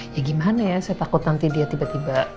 ya gimana ya saya takut nanti dia tiba tiba